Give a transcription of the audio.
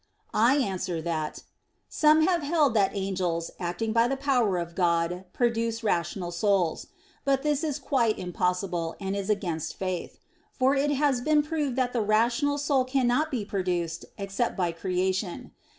I answer that, Some have held that angels, acting by the power of God, produce rational souls. But this is quite impossible, and is against faith. For it has been proved that the rational soul cannot be produced except by creation.